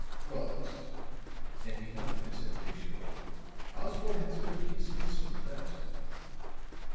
But," and he nodded his head appreciatively, "Osborne has a good case against him, at that."